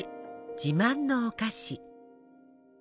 自慢のお菓子。